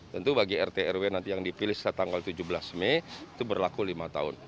tentu bagi rt rw nanti yang dipilih setelah tanggal tujuh belas mei itu berlaku lima tahun